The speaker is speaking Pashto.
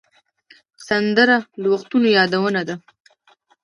سندره د وختونو یادونه ده